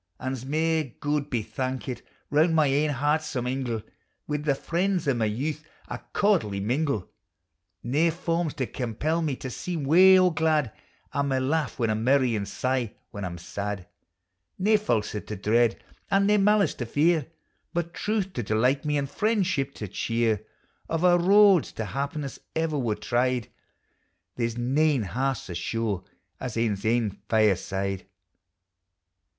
Ance mair, Gude be thaukit, round my ain heart some ingle, Wi' the friends o' my youth I cordially mingle; Nae forms to compel me to seem wae or glad, 1 may laugh when I 'in merry, and sigh when I 'in sad. Nae falsehood to dread, and nae malice to fear, But truth to delight me, aud friendship to cheer; Of a' roads to happiness ever were tried, There 's nane half so sure as ane's ain fireside.